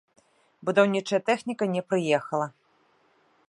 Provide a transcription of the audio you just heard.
Будаўнічая тэхніка не прыехала.